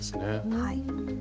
はい。